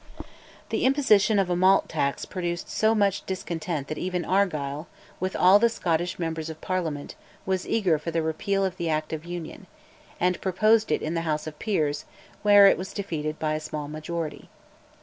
The imposition of a malt tax produced so much discontent that even Argyll, with all the Scottish members of Parliament, was eager for the repeal of the Act of Union, and proposed it in the House of Peers, when it was defeated by a small majority.